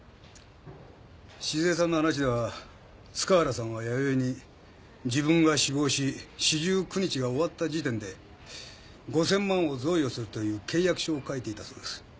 志寿江さんの話では塚原さんは弥生に「自分が死亡し四十九日が終わった時点で５，０００万円を贈与する」という契約書を書いていたそうです。